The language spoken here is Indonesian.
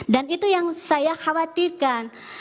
dan itu yang saya khawatirkan